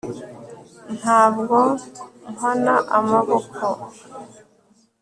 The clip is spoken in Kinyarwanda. ntabwo mpana amaboko